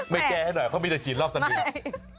แก้ให้หน่อยเขามีแต่ฉีดรอบทันที